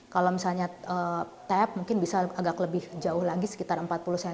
kalau misalnya tap mungkin bisa agak lebih jauh lagi sekitar empat puluh cm